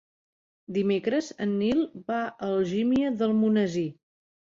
Dimecres en Nil va a Algímia d'Almonesir.